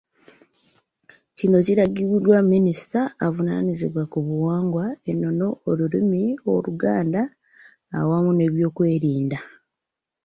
Kino kirangiriddwa Minisita avunaanyizibwa ku buwangwa, ennono, olulimi Oluganda awamu n’ebyokwerinda.